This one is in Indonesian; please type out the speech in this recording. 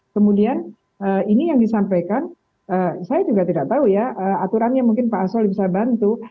kemudian ini yang disampaikan saya juga tidak tahu ya aturannya mungkin pak arsul bisa bantu